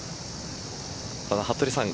ただ服部さん